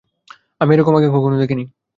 আমি এ রকম আগে কখনো দেখি নি।